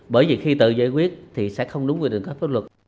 bởi vì khi tự giải quyết thì sẽ không đúng quyền định các pháp luật